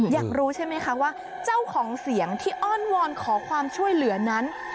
อยากรู้ใช่ไหมคะว่าเจ้าของเสียงที่อ้อนวอนขอความช่วยเหลือนั้น